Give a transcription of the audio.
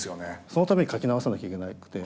そのために書き直さなきゃいけなくて。